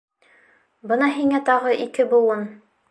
Бына һиңә тағы ике быуын!